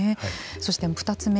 そして２つ目。